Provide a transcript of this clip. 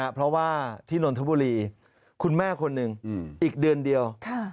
เพราะว่าที่นนทบุรีคุณแม่คนหนึ่งอีกเดือนเดียว